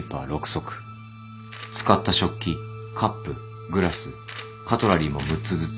使った食器カップグラスカトラリーも６つずつ。